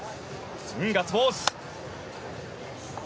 ガッツポーズ！